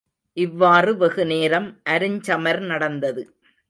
இவ்வாறு வெகுநேரம் அருஞ்சமர் நடந்தது.